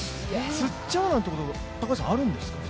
つっちゃうなんてこと、高橋さん、あるんですか？